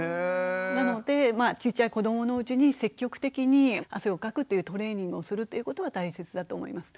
なのでちっちゃい子どものうちに積極的に汗をかくっていうトレーニングをするっていうことは大切だと思います。